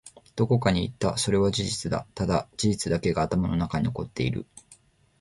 どこかに行った。それは事実だ。ただ、事実だけが頭の中に残っている。